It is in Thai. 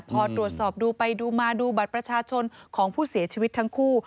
พอตรวจสอบดูไปดูมาดูบัตรประชาชนของผู้เสียชีวิตทั้งคู่